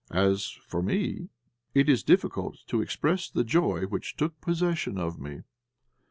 As for me, it is difficult to express the joy which took possession of me.